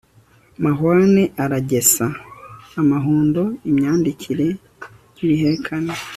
mahwane aragesa amahundo.imyandikire y'ibihekane